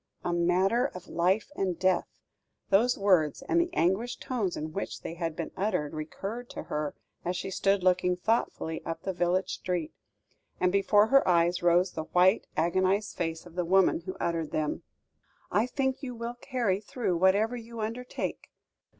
"A matter of life and death!" Those words, and the anguished tones in which they had been uttered, recurred to her, as she stood looking thoughtfully up the village street, and before her eyes rose the white, agonised face of the woman who uttered them. "I think you will carry through whatever you undertake."